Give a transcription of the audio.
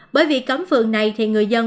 bởi vì cấm phường này thì người dân